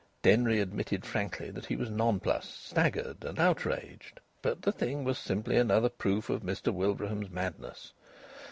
Denry admitted frankly that he was nonplussed, staggered and outraged. But the thing was simply another proof of Mr Wilbraham's madness.